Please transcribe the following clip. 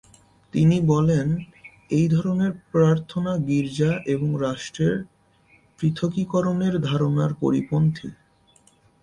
তিনি বলেন, এই ধরনের প্রার্থনা গির্জা এবং রাষ্ট্রের পৃথকীকরণের ধারণার পরিপন্থী।